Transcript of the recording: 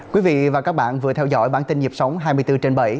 quý vị và các bạn vừa theo dõi bản tin nhịp sống hai mươi bốn trên bảy